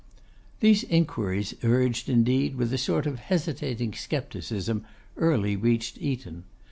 These inquiries, urged indeed with a sort of hesitating scepticism, early reached Eton.